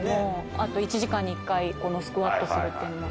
あと１時間に１回このスクワットするっていうのも。